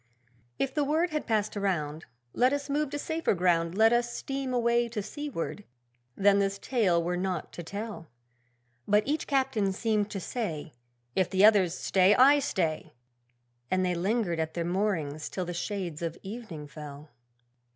If the word had passed around, 'Let us move to safer ground; Let us steam away to seaward' then this tale were not to tell! But each Captain seemed to say 'If the others stay, I stay!' And they lingered at their moorings till the shades of evening fell.